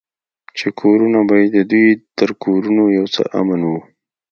چې کورونه به يې د دوى تر کورونو يو څه امن وو.